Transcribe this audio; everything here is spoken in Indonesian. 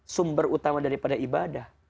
sumber utama daripada ibadah